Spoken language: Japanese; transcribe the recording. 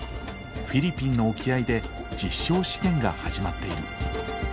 フィリピンの沖合で実証試験が始まっている。